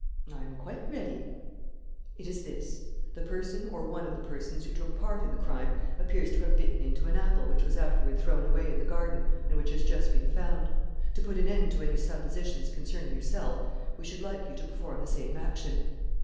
"I am quite ready " "It is this: the person or one of the persons who took part in the crime appears to have bitten into an apple which was afterward thrown away in the garden and which has just been found. To put an end to any suppositions concerning yourself, we should like you to perform the same action."